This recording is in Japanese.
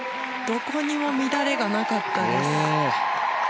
どこにも乱れがなかったです。